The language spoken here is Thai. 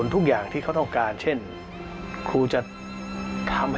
ช่วยให้กัแก่ละครอบครัว